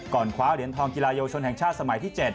คว้าเหรียญทองกีฬาเยาวชนแห่งชาติสมัยที่๗